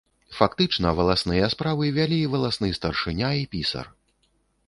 Фактычна валасныя справы вялі валасны старшыня і пісар.